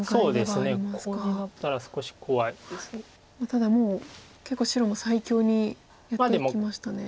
ただもう結構白も最強にやっていきましたね。